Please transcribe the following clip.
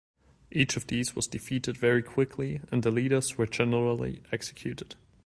Each of these was defeated very quickly, and the leaders were generally executed.